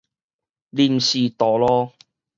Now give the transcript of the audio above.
臨時道路